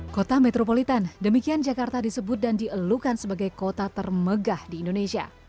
kota metropolitan demikian jakarta disebut dan dielukan sebagai kota termegah di indonesia